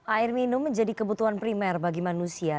air minum menjadi kebutuhan primer bagi manusia